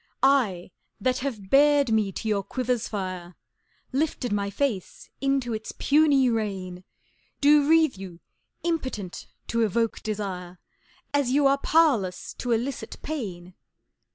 I, that have bared me to your quiver's fire, Lifted my face into its puny rain, Do wreathe you Impotent to Evoke Desire As you are Powerless to Elicit Pain!